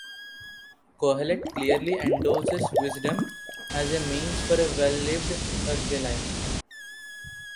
Kohelet clearly endorses wisdom as a means for a well-lived earthly life.